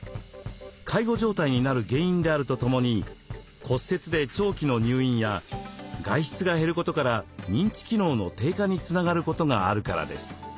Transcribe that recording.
介護状態になる原因であるとともに骨折で長期の入院や外出が減ることから認知機能の低下につながることがあるからです。